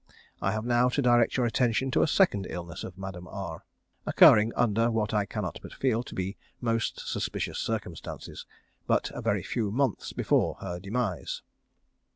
I have now to direct your attention to a second illness of Madame R, occurring, under what I cannot but feel to be most suspicious circumstances, but a very few months before her demise.